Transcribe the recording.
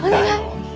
お願い！